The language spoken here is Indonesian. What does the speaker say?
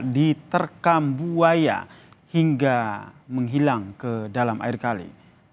diterkam buaya hingga menghilang ke dalam air kali